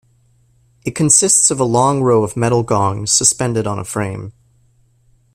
It consists of a long row of metal gongs suspended on a frame.